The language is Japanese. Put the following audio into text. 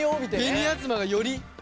紅あずまがより。